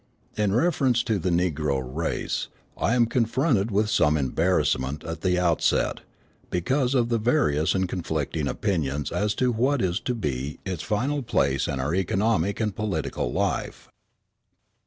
In reference to the Negro race, I am confronted with some embarrassment at the outset, because of the various and conflicting opinions as to what is to be its final place in our economic and political life.